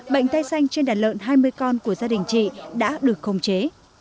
bệnh tay xanh trên đàn lợn hai mươi con của gia đình chị đã được khống chế